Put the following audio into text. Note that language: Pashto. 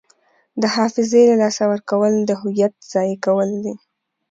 د حافظې له لاسه ورکول د هویت ضایع کول دي.